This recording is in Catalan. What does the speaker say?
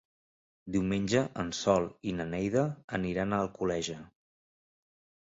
Diumenge en Sol i na Neida aniran a Alcoleja.